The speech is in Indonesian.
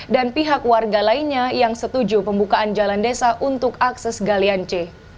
dan pihak warga lainnya yang setuju pembukaan jalan desa untuk akses galian c